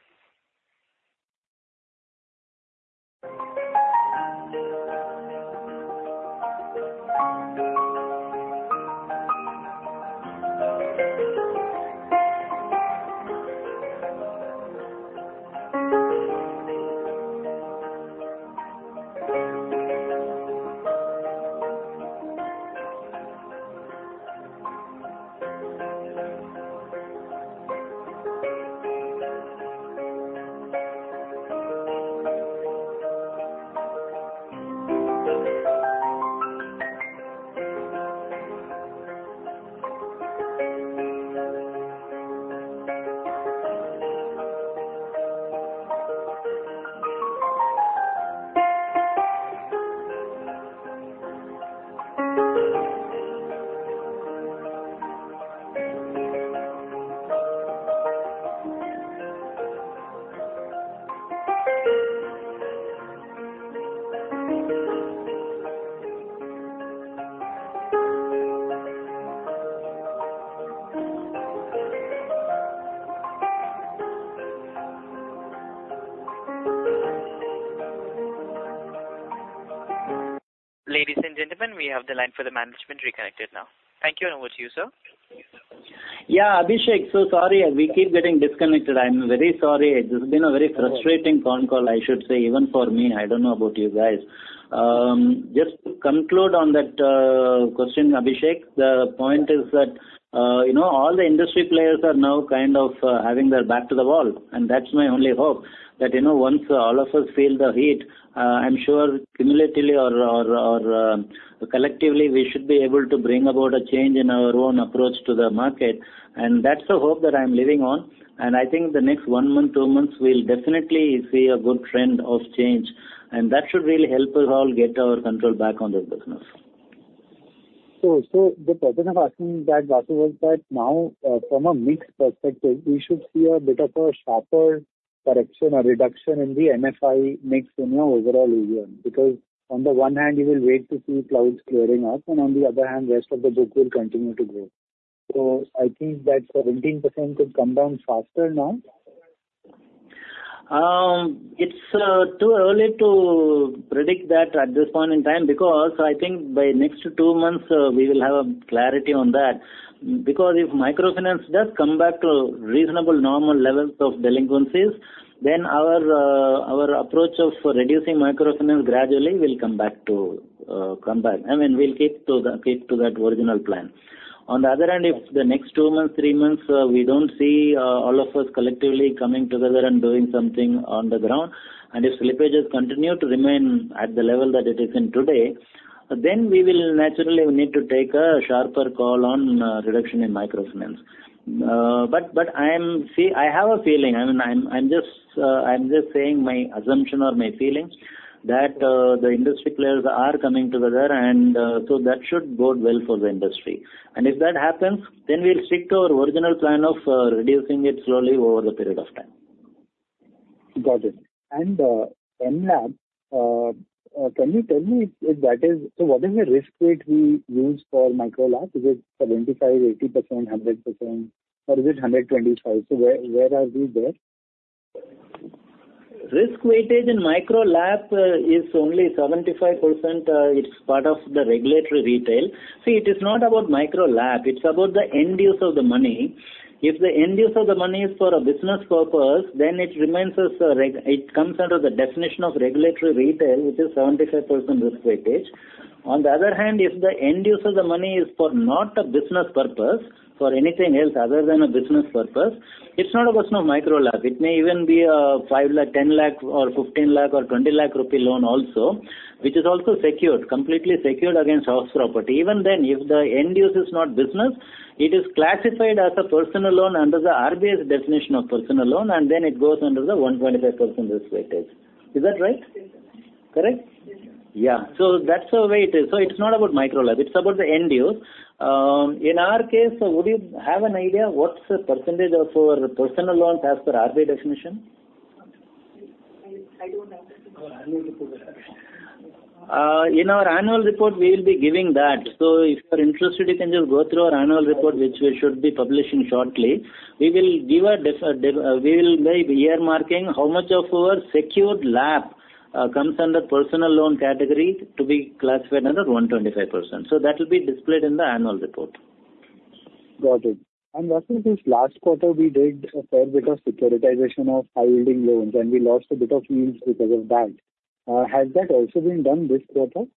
Ladies and gentlemen, we have the line for the management reconnected now. Thank you. Over to you, sir. Yeah, Abhishek. So sorry, we keep getting disconnected. I'm very sorry. It has been a very frustrating phone call, I should say even for me. I don't know about you guys. Just to conclude on that question, Abhishek, the point is that all the industry players are now having their back to the wall, and that's my only hope. That once all of us feel the heat, I'm sure cumulatively or collectively, we should be able to bring about a change in our own approach to the market. That's the hope that I'm living on. I think the next one month, two months, we'll definitely see a good trend of change, and that should really help us all get our control back on the business. was that now from a mix perspective, we should see a bit of a sharper correction or reduction in the MFI mix in your overall region? On the one hand, you will wait to see clouds clearing up and on the other hand, the rest of the book will continue to grow. I think that 17% could come down faster now? It's too early to predict that at this point in time, because I think by next two months, we will have clarity on that. If microfinance does come back to reasonable normal levels of delinquencies, then our approach of reducing microfinance gradually will come back. We'll keep to that original plan. On the other hand, if the next two months, three months, we don't see all of us collectively coming together and doing something on the ground, and if slippages continue to remain at the level that it is in today, then we will naturally need to take a sharper call on reduction in microfinance. I have a feeling, I'm just saying my assumption or my feeling, that the industry players are coming together and so that should go well for the industry. If that happens, then we'll stick to our original plan of reducing it slowly over the period of time. Got it. MLAB, can you tell me, so what is the risk weight we use for Micro LAP? Is it 75%, 80%, 100%, or is it 125%? Where are we there? Risk weightage in Micro LAP is only 75%. It's part of the regulatory retail. See, it is not about Micro LAP. It's about the end use of the money. If the end use of the money is for a business purpose, then it comes under the definition of regulatory retail, which is 75% risk weightage. On the other hand, if the end use of the money is for not a business purpose, for anything else other than a business purpose, it's not a question of Micro LAP. It may even be a 5 lakh, 10 lakh, or 15 lakh, or 20 lakh rupee loan also, which is also completely secured against house property. Even then, if the end use is not business, it is classified as a personal loan under the RBI's definition of personal loan, and then it goes under the 125% risk weightage. Is that right, correct? Yeah, so that's the way it is. It's not about Micro LAP, it's about the end use. In our case, would you have an idea, what's the percentage of our personal loans as per RBI definition? in our annual report, we will be giving that. If you're interested, you can just go through our annual report, which we should be publishing shortly. We will give a breakup, earmarking how much of our secured LAP comes under personal loan category to be classified under 125%, so that will be displayed in the annual report. Got it. Vasu, this last quarter, we did a fair bit of securitization of high-yielding loans, and we lost a bit of yields because of that. Has that also been done this quarter?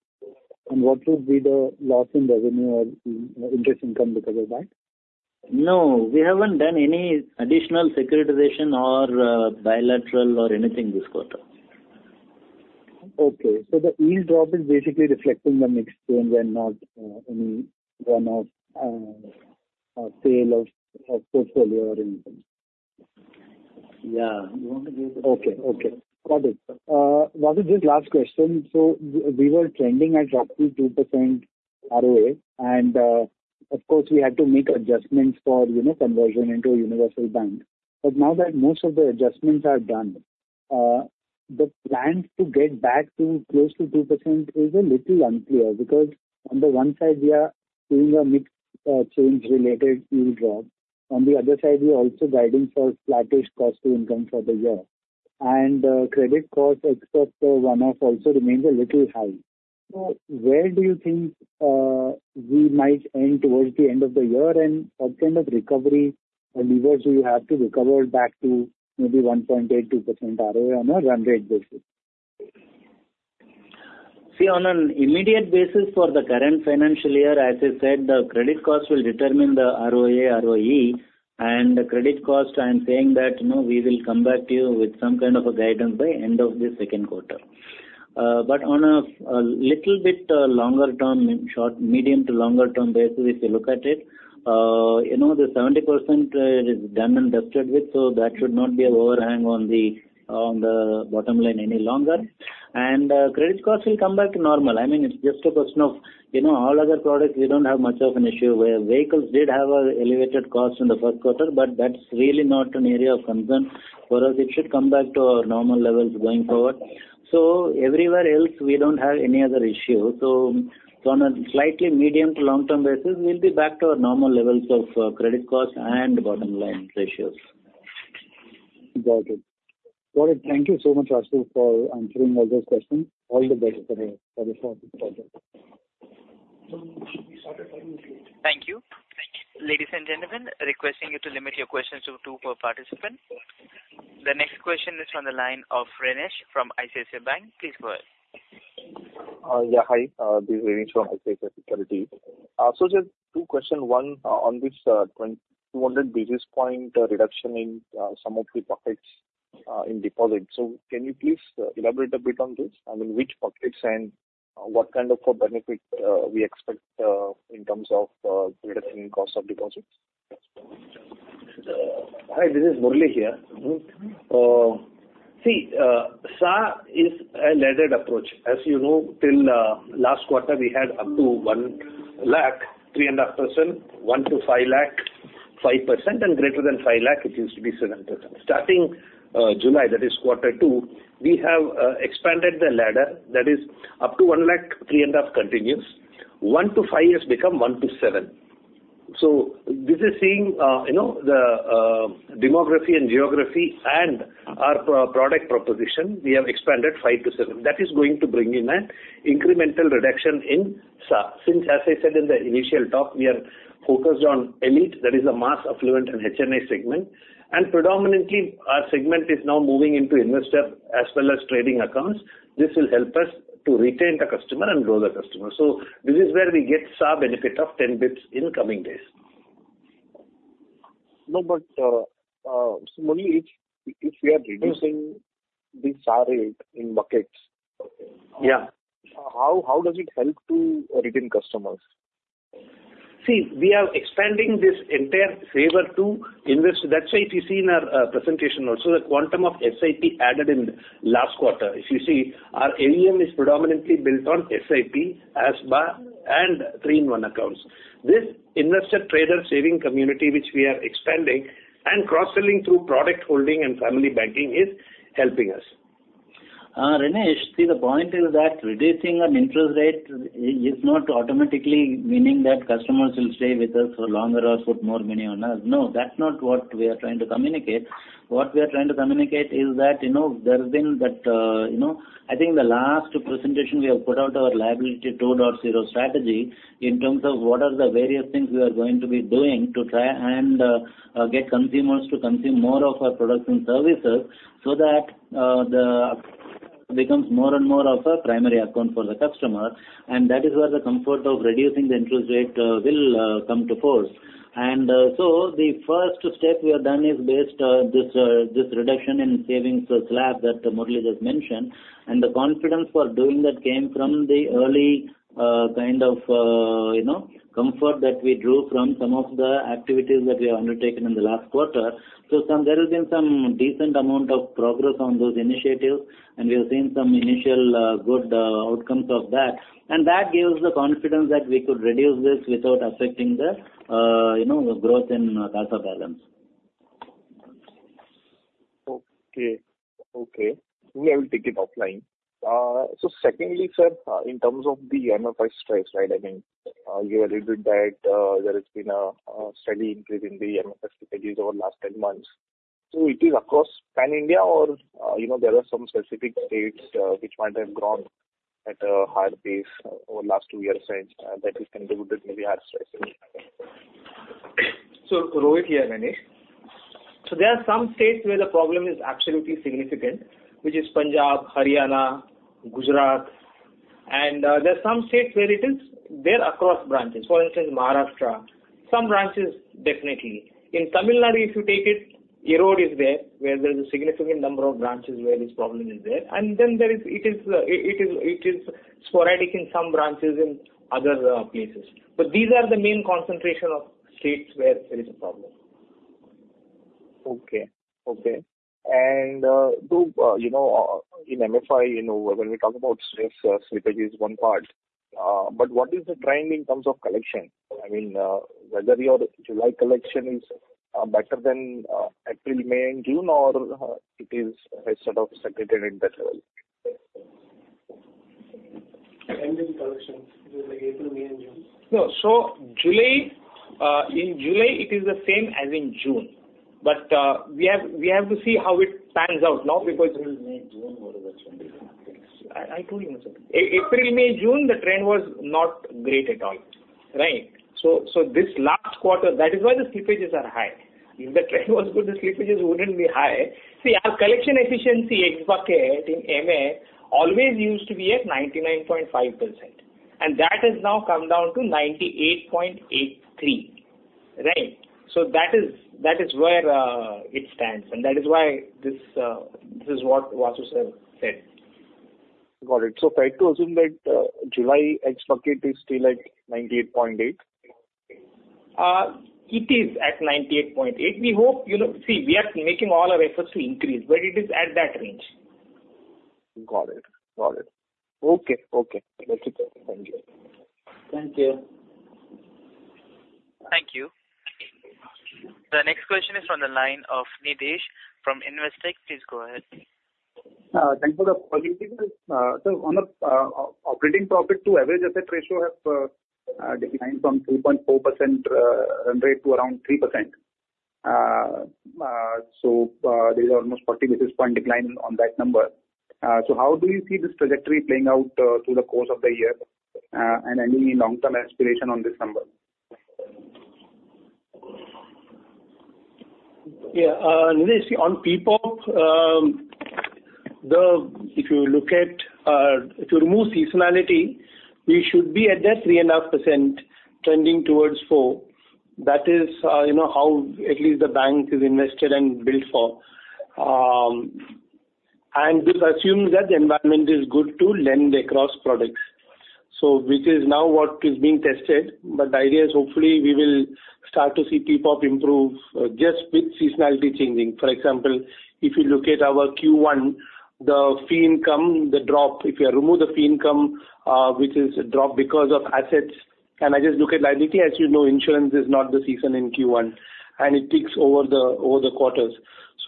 What will be the loss in revenue or interest income because of that? No. We haven't done any additional securitization, or bilateral or anything this quarter. Okay, so the yield drop is basically reflecting the mixed gains, and not any runoff or sale of portfolio or anything? Yeah. Okay, got it. Vasu, just last question. We were trending at roughly 2% ROA, and of course we had to make adjustments for unit conversion into a universal bank. Now that most of the adjustments are done, the plan to get back to close to 2% is a little unclear because on the one side, we are seeing a mixed change-related yield drop. On the other side, we are also guiding for flattish cost to income for the year. Credit cost except for runoff also remains a little high, so where do you think we might end towards the end of the year? What kind of recovery levers do you have to recover back to maybe 1.8%-2% ROA on a run rate basis? See, on an immediate basis for the current financial year, as I said, the credit cost will determine the ROA, ROE, and the credit cost. I'm saying that we will come back to you with some kind of a guidance by end of the second quarter, but on a little bit longer term, medium to longer term basis, if you look at it, the 70% is done and dusted with, so that should not be an overhang on the bottom line any longer and credit cost will come back to normal. I mean, it's just a question of all other products, we don't have much of an issue. Vehicles did have an elevated cost in the first quarter, but that's really not an area of concern for us. It should come back to our normal levels going forward, so everywhere else, we don't have any other issue. On a slightly medium to long-term basis, we'll be back to our normal levels of credit cost and bottom-line ratios. Got it. Thank you so much, Vasu for answering all those questions. All the best for the short quarter. Thank you. Ladies and gentlemen, requesting you to limit your questions to two per participant. The next question is from the line of Renish from ICICI Securities. Please go ahead. Yeah. Hi. This is Renish from ICICI Securities. Just two questions. One on this 200 basis points reduction in some of the pockets in deposits. Can you please elaborate a bit on this? I mean, which pockets and what kind of benefit we expect in terms of reducing cost of deposits? Hi. This is Murali here. See, SA is a laddered approach. As you know, till last quarter, we had up to 1 lakh, 3.5%, 1-5 lakh, 5%, and greater than 5 lakh, it used to be 7%. Starting July, that is quarter two, we have expanded the ladder. That is up to 1 lakh, 3.5% continues. 1-5 has become 1-7. This is seeing the demography, and geography and our product proposition. We have expanded five to seven. That is going to bring in an incremental reduction in SA, since as I said in the initial talk, we are focused on elite, that is the mass affluent and HNI segment. Predominantly, our segment is now moving into investor as well as trading accounts. This will help us to retain the customer and grow the customer. This is where we get SA benefit of 10 bps in coming days. No, but Murali, if we are reducing the SA rate in buckets, how does it help to retain customers? See, we are expanding this entire favor to investor. That's why, if you see in our presentation also, the quantum of SIP added in last quarter. If you see, our AUM is predominantly built on SIP and three-in-one accounts. This investor, trader, savings community which we are expanding and cross-selling through product holding and family banking is helping us. Renish, see, the point is that, reducing an interest rate is not automatically meaning that customers will stay with us for longer or put more money on us. No, that's not what we are trying to communicate. What we are trying to communicate is tha,I think the last presentation, we have put out our Liability 2.0 Strategy in terms of, what are the various things we are going to be doing to try and get consumers to consume more of our products and services, so that it becomes more and more of a primary account for the customer? That is where the comfort of reducing the interest rate will come to pass. The first step we have done is based on this reduction in savings slab that Murali just mentioned. The confidence for doing that came from the early comfort that we drew from some of the activities that we have undertaken in the last quarter. There has been some decent amount of progress on those initiatives, and we have seen some initial good outcomes of that. That gives the confidence that we could reduce this without affecting the growth in the balance. Okay. We have to take it offline. Secondly, sir, in terms of the MFI stress, right? I mean, you alluded that there has been a steady increase in the MFI stress over the last 10 months, so it is across pan-India or there are some specific states which might have grown at a higher pace over the last two years, that has contributed to the higher stress? Renish. There are some states where the problem is absolutely significant, which is Punjab, Haryana, Gujarat. There are some states where there across branches. For instance, Maharashtra. Some branches definitely. In Tamil Nadu, if you take it, Erode is there where there is a significant number of branches where this problem is there. It is sporadic in some branches in other places, but these are the main concentration of states where there is a problem. Okay. In MFI, when we talk about stress, strategy is one part, but what is the trend in terms of collection? Whether your July collection is better than April, May, and June, or it is segregated at that level? In collections, April, May, and June? No. In July, it is the same as in June, but we have to see how it pans out now. April, May, June, what is the? I told. April, May, June, the trend was not great at all, right? This last quarter, that is why the slippages are high. If the trend was good, the slippages wouldn't be high. See, our collection efficiency, X bucket and MF always used to be at 99.5%. That has now come down to 98.83%, right? That is where it stands, and that is why this is what Vasu said. Got it, is it right to assume that July X bucket is still at 98.8%? It is at 98.8%. See, we are making all our efforts to increase, but it is at that range. Got it, okay. That's it. Thank you. Thank you. Thank you. The next question is from the line of Nitesh from Investec. Please go ahead. Thank you. On the operating profit to average asset ratio have declined from 3.4% run rate to around 3%. There is almost 40 basis points decline on that number. How do you see this trajectory playing out through the course of the year, and any long-term aspiration on this number? Yeah. On PPOP, if you remove seasonality, we should be at that 3.5%, trending towards 4%. That is how at least the bank is invested and built for. This assumes that the environment is good to lend across products, which is now what is being tested. The idea is hopefully, we will start to see PPOP improve just with seasonality changing. For example, if you look at our Q1, the fee income, the drop, if you remove the fee income, which is a drop because of assets, and I just look at liability, as you know, insurance is not the season in Q1 and it takes over the quarters.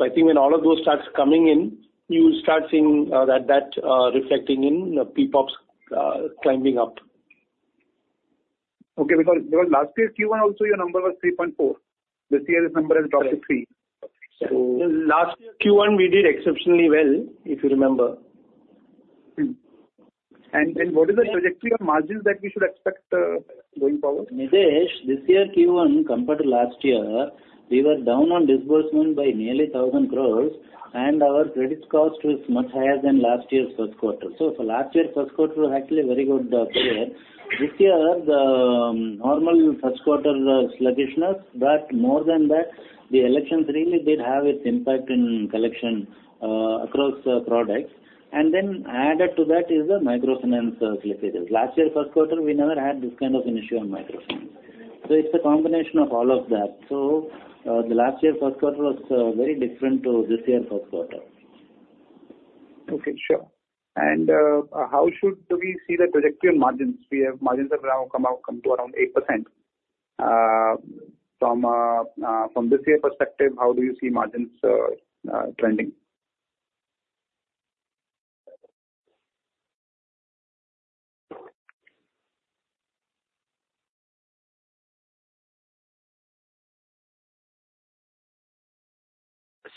I think when all of those starts coming in, you start seeing that reflecting in PPOPs climbing up. Okay, because last year, Q1 also your number was 3.4. This year, this number has dropped to 3. Last year, Q1, we did exceptionally well, if you remember. What is the trajectory of margins that we should expect going forward? Nitesh, this year, Q1 compared to last year, we were down on disbursement by nearly 1,000 crores, and our credit cost was much higher than last year's first quarter. Last year's first quarter was actually a very good year. This year, the normal first quarter sluggishness, but more than that, the elections really did have its impact in collection across products. Added to that is the microfinance slippages. Last year's first quarter, we never had this kind of an issue on microfinance. It's a combination of all of that, so the last year's first quarter was very different to this year's first quarter. Okay, sure. How should we see the trajectory on margins? Our margins have now come to around 8%. From this year's perspective, how do you see margins trending?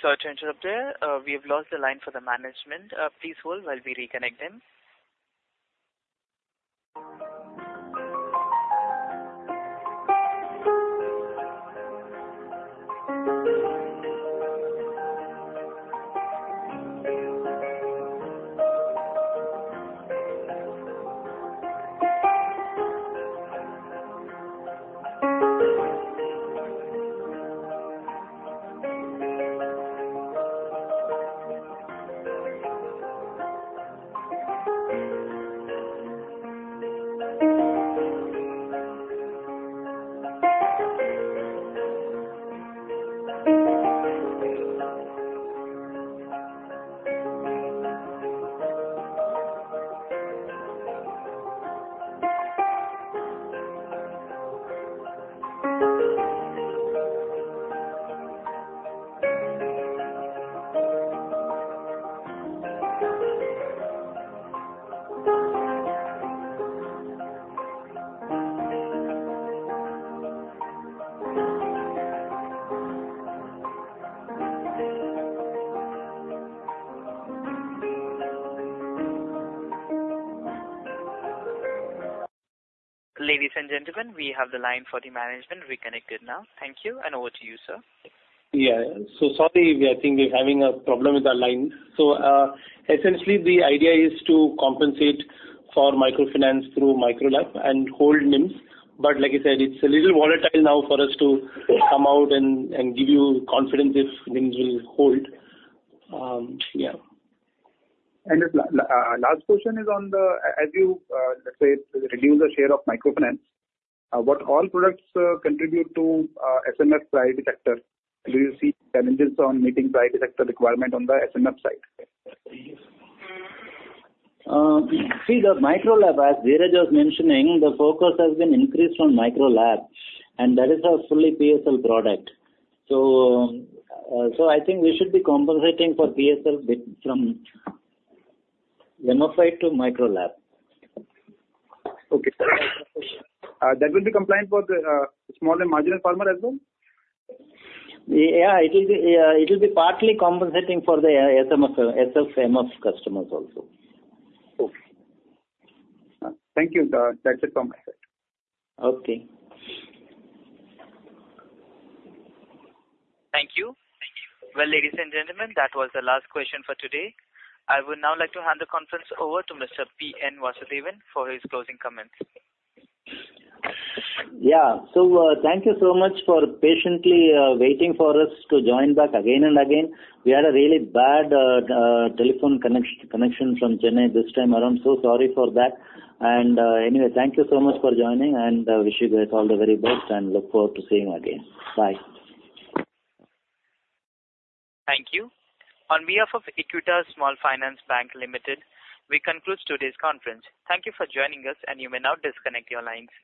Sorry to interrupt there. We have lost the line for the management. Please hold while we reconnect them. Ladies and gentlemen, we have the line for the management reconnected now. Thank you. Over to you, sir. Yeah, so sorry. I think we're having a problem with our line. Essentially, the idea is to compensate for microfinance through Micro LAP and hold NIMs. Like I said, it's a little volatile now for us to come out and give you confidence if NIMs will hold, yeah. Last question is on, as you just said, reduce the share of microfinance, what all products contribute to SMF priority sector? Do you see challenges on meeting priority sector requirement on the SMF side? See, the Micro LAP, as Dheeraj was mentioning, the focus has been increased on Micro LAP. That is our fully PSL product. I think we should be compensating for PSL bit, from MFI to Micro LAP. Okay. A question, that will be compliant for the small and marginal farmer as well? Yeah. It will be partly compensating for the SMF customers also. Okay. Thank you. That's it from me. Okay. Thank you. Ladies and gentlemen, that was the last question for today. I would now like to hand the conference over to Mr. P. N. Vasudevan for his closing comments. Yeah, so thank you so much for patiently waiting for us to join back again and again. We had a really bad telephone connection from Chennai this time around, so sorry for that. Anyway, thank you so much for joining, and wish you guys all the very best, and look forward to seeing you again. Bye. Thank you. On behalf of Equitas Small Finance Bank Limited, we conclude today's conference. Thank you for joining us, and you may now disconnect your lines.